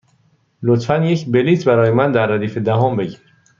لطفا یک بلیط برای من در ردیف دهم بگیر.